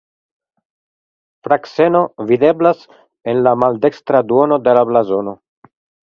Frakseno videblas en la maldekstra duono de la blazono.